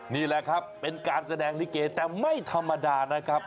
นี่แหละครับเป็นการแสดงลิเกแต่ไม่ธรรมดานะครับ